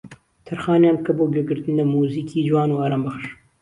تەرخانیان بکە بۆ گوێگرتن لە موزیکی جوان و ئارامبەخش